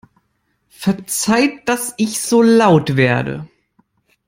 Verzeiht, dass ich so laut werde!